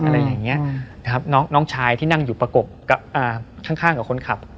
อะไรอย่างเงี้ยนะครับน้องน้องชายที่นั่งอยู่ประกบกับข้างกับคนขับ